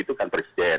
itu kan presiden